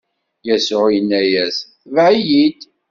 Yasuɛ inna-as: Tbeɛ-iyi-d!